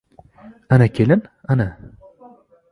— Ana kelin, ana!